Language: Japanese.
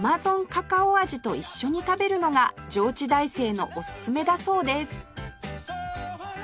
カカオ味と一緒に食べるのが上智大生のおすすめだそうです